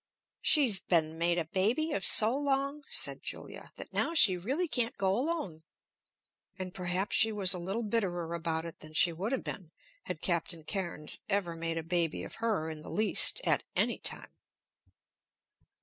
"She's been made a baby of so long," said Julia, "that now she really can't go alone." And perhaps she was a little bitterer about it than she would have been had Captain Cairnes ever made a baby of her in the least, at any time.